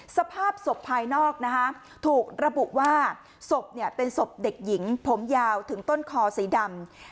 สภาพศพภายนอกนะคะถูกระบุว่าศพเป็นศพเด็กหญิงผมยาวถึงต้นคอสีดำ